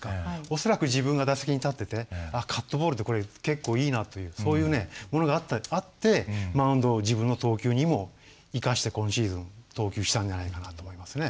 恐らく自分が打席に立っててカットボールってこれ結構いいなというそういうねものがあってマウンドの自分の投球にも生かして今シーズン投球したんじゃないかなと思いますね。